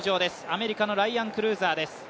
アメリカのライアン・クルーザーです。